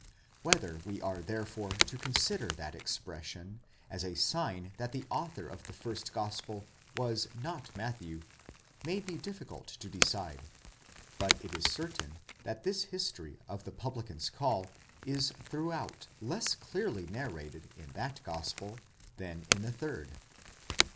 Whether we are therefore to consider that expression as a sign that the author of the first gospel was not Matthew, may be difficult to decide :" but it is certain that this history of the publican's call is throughout less clearly narrated in that gospel than in the third.